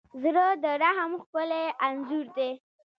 زړه د رحم ښکلی انځور دی.